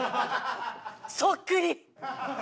そっくり！